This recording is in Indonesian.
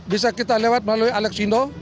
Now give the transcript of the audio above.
bisa kita lewat melalui alexindo